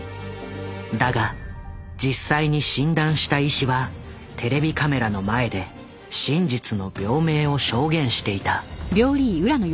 だが実際に診断した医師はテレビカメラの前で真実の病名を証言していた。